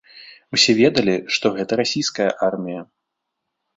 Усе ведалі, што гэта расійская армія.